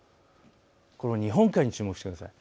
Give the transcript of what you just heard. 日本海に注目してください。